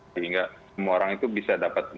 sehingga semua orang itu bisa dapat